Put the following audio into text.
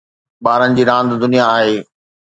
ٻارن جي راند دنيا آهي